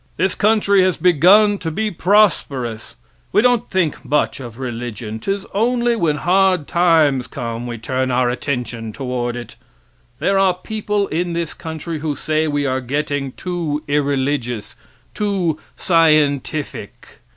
This country has begun to be prosperous. We don't think much of religion; 'tis only when hard times come we turn our attention toward it. There are people in this country who say we are getting too irreligious, too scientific.